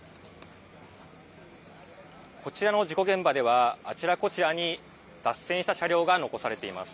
こちらの事故現場では、あちらこちらに脱線した車両が残されています。